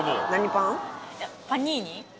パニーニ。